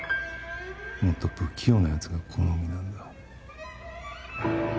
もっと不器用な奴が好みなんだ。